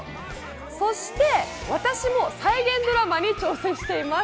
そして私も再現ドラマに挑戦しています。